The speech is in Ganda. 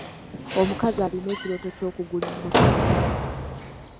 Omukazi alina ekirooto ky'okugula emmotoka.